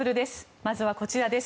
まずはこちらです。